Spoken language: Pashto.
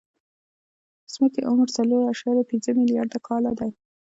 د ځمکې عمر څلور اعشاریه پنځه ملیارده کاله دی.